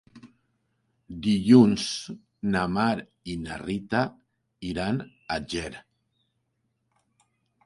Dilluns na Mar i na Rita iran a Ger.